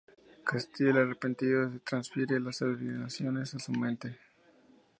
Castiel, arrepentido transfiere las alucinaciones a su mente.